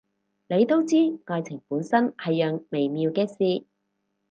你都知，愛情本身係樣微妙嘅事